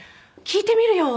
「聴いてみるよ！」